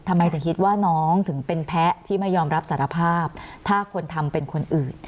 ทำไมถึงคิดว่าน้องถึงเป็นแพ้ที่ไม่ยอมรับสารภาพถ้าคนทำเป็นคนอื่น